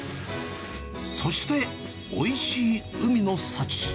そして、おいしい海の幸。